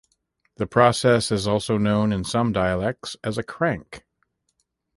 This process is also known in some dialects as a crank.